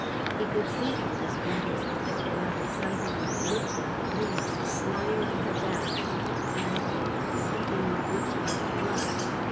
He could see through the splinters of thick glass something that looked like Linda, lying on her back and something that looked like blood.